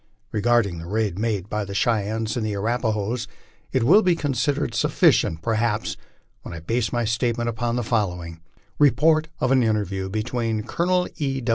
Regarding the raid made by the Cheyennes and Arapa hoes, it will be considered sufficient perhaps when I base my statements upon the following " Report of an interview between Colonel E.